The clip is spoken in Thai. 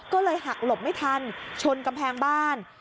ก็เลยหักหลบไม่ทันชนกำแพงบ้าน